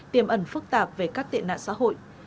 tiềm ẩn phức tạp về các tệ nạn xã hội